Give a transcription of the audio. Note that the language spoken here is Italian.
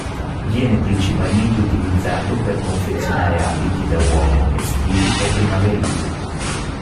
Viene principalmente utilizzato per confezionare abiti da uomo estivi o primaverili.